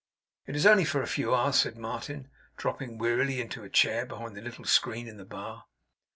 It is only for a few hours,' said Martin, dropping wearily into a chair behind the little screen in the bar.